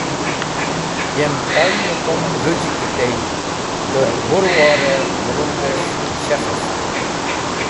Yem Tag̃hm-e kum rũji ki tey, dẽ bu-ror-e mulunges̃h shekhest.